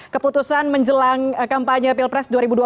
keputusan menjelang kampanye pilpres dua ribu dua puluh